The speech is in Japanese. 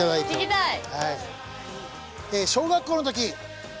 聞きたい。